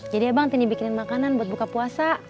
jadi abang tini bikinin makanan buat buka puasa